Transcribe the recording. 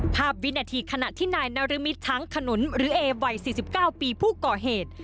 วินาทีขณะที่นายนรมิตช้างขนุนหรือเอวัย๔๙ปีผู้ก่อเหตุ